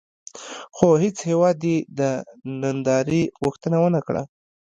خو هېڅ هېواد یې د نندارې غوښتنه ونه کړه.